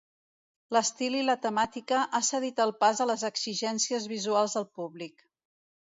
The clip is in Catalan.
L'estil i la temàtica, ha cedit el pas a les exigències visuals del públic.